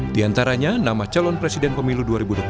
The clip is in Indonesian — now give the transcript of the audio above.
di antaranya nama calon presiden pemilu dua ribu dua puluh